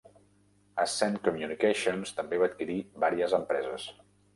Ascend Communications també va adquirir vàries empreses.